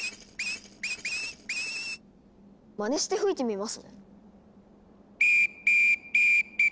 まねして吹いてみますね。